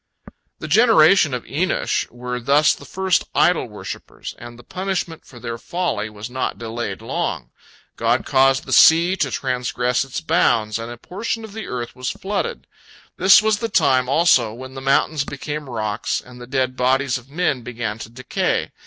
" The generation of Enosh were thus the first idol worshippers, and the punishment for their folly was not delayed long. God caused the sea to transgress its bounds, and a portion of the earth was flooded. This was the time also when the mountains became rocks, and the dead bodies of men began to decay.